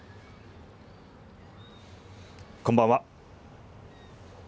こんばんは。